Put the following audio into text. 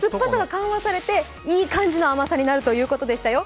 緩和されて、いい感じの甘さになるということでしたよ。